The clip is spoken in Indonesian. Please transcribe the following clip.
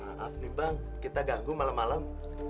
maaf nih bang kita ganggu malam malam